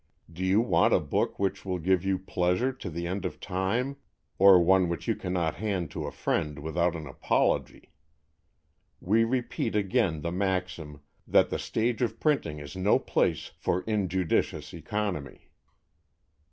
Do you want a book which will give you pleasure to the end of time, or one which you cannot hand to a friend without an apology? We repeat again the maxim, that the stage of printing is no place for injudicious economy!